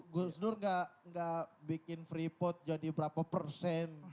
gus dur gak bikin free pot jadi berapa persen